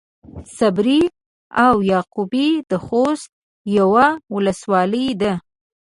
صبري او يعقوبي د خوست يوۀ ولسوالي ده.